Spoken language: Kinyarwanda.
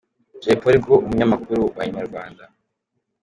Jay Polly ubwo umunyamakuru wa Inyarwanda.